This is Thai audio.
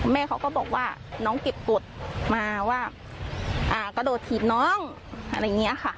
แม่เขาก็บอกว่าน้องเก็บกฎมาว่ากระโดดถีบน้องอะไรอย่างนี้ค่ะ